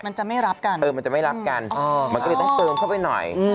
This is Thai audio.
มันจะไม่รับกันเออมันจะไม่รับกันมันก็เลยต้องเติมเข้าไปหน่อย